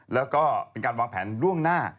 แล้วก็เป็นการวางแผนล่วงหน้า